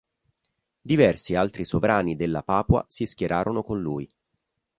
Diversi altri sovrani della Papua si schierarono con lui.